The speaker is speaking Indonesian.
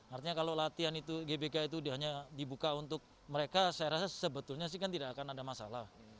artinya kalau latihan itu gbk itu hanya dibuka untuk mereka saya rasa sebetulnya sih kan tidak akan ada masalah